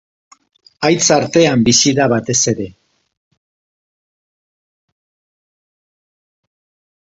Haitz artean bizi da batez ere.